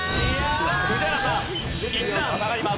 宇治原さん１段下がります。